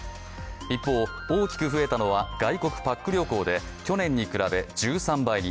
一方、大きく増えたのは外国パック旅行で、去年に比べ１３倍に。